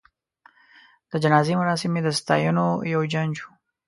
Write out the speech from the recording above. د جنازې مراسم یې د ستاینو یو جنج و.